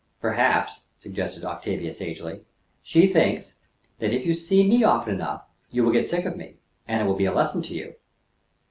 "Perhaps," suggested Octavia sagely, "she thinks, that, if you see me often enough, you will get sick of me, and it will be a lesson to you."